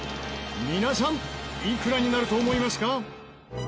皆さんいくらになると思いますか？